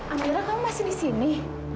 akhirnya kamu masih di sini